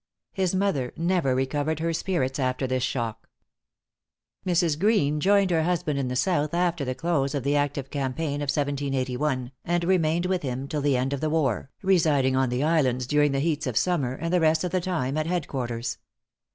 His mother never recovered her spirits after this shock. Mrs. Greene joined her husband in the South after the close of the active campaign of 1781, and remained with him till the end of the war, residing on the islands during the heats of summer, and the rest of the time at head quarters.